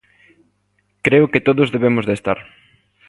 Creo que todos debemos de estar.